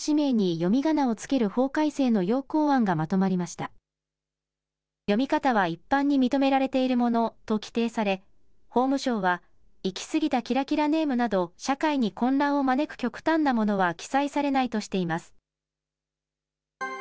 読み方は一般に認められているものと規定され、法務省は、行き過ぎたキラキラネームなど、社会に混乱を招く極端なものは記載されないとしています。